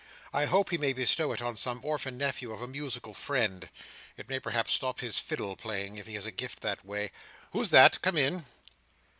"I hope he may bestow it on some orphan nephew of a musical friend. It may perhaps stop his fiddle playing, if he has a gift that way. Who's that? Come in!"